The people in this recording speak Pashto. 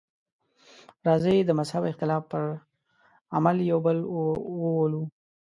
راځئ د مهذب اختلاف په عمل یو بل وولو.